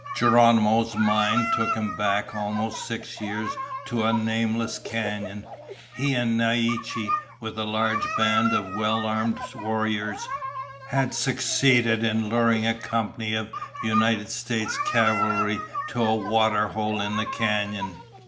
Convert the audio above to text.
Geronimo's mind took him back almost six years to a nameless canyon. He and Naiche, with a large band of well armed warriors, had succeeded in luring a company of United States Cavalry to a water hole in the canyon.